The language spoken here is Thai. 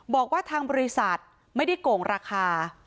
บอกว่าทางบริษัทไม่ได้โกงราคา